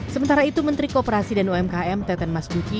sementara itu menteri kooperasi dan umkm teten mas duki